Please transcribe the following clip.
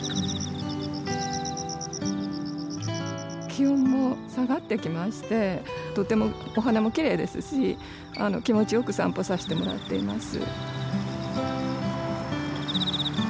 気温も下がってきましてとてもお花もきれいですし気持ちよく散歩させてもらっています。